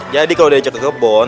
jadi kalau udah jatuh kebun